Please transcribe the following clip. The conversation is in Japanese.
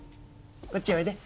こっちおいで。